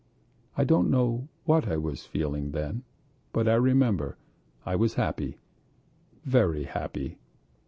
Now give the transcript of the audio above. I don't know what I was feeling then, but I remember I was happy, very happy.